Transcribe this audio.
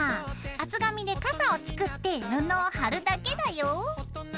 厚紙で傘を作って布を貼るだけだよ。